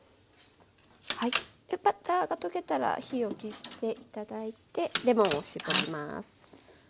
バターが溶けたら火を消して頂いてレモンを搾ります。